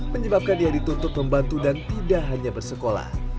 menyebabkan dia dituntut membantu dan tidak hanya bersekolah